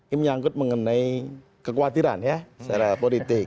ini menyangkut mengenai kekhawatiran ya secara politik